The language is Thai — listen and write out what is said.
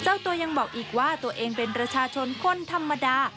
เจ้าตัวยังบอกอีกว่าตัวเองเป็นประชาชนคนธรรมดา